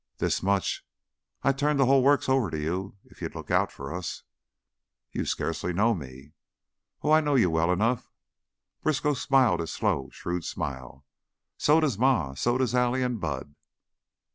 "This much: I'd turn the hull works over to you, if you'd look out for us." "You scarcely know me." "Oh, I know you well enough!" Briskow smiled his slow, shrewd smile. "So does Ma. So does Allie an' Bud."